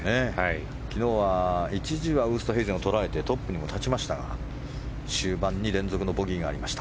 昨日は一時はウーストヘイゼンを捉えてトップにも立ちましたが終盤に連続のボギーがありました。